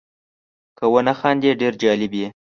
که ونه خاندې ډېر جالب یې .